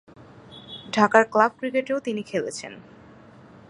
ঢাকার ক্লাব ক্রিকেটেও খেলেছেন তিনি।